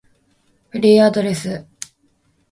フリーアドレス